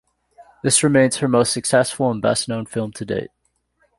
This remains her most successful and best known film to date.